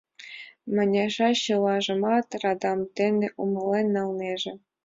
Маняша чылажымат радам дене умылен налнеже.